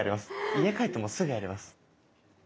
家帰ってもうすぐやります。